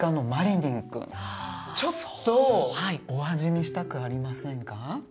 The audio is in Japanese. ちょっとお味見したくありませんか？